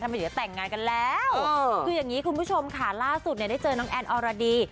มันจะแต่งงานกันแล้วคืออย่างนี้คุณผู้ชมค่ะล่าสุดเนี่ยได้เจอน้องแอนอรดี